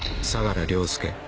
相良凌介